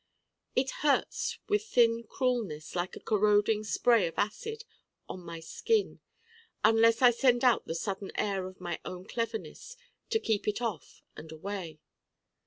It hurts with thin cruelness like a corroding spray of acid on my skin: unless I send out the sudden air of my own Cleverness to keep it off and away.